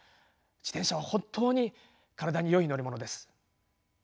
自転車は本当に体によい乗り物です。